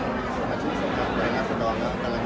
ผู้หญิงเพื่อจะลุกล่างลากในการสูดค่อนข้างตอนนี้